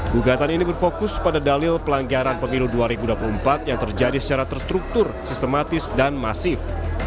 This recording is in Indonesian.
gugatan ini berfokus pada dalil pelanggaran pemilu dua ribu dua puluh empat yang terjadi secara terstruktur sistematis dan masif